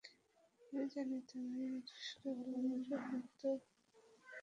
আমি জানি তুমি রিফকে ভালোবাসো, কিন্তু ও পুয়ের্তো রিকানদের ঘৃণা করে।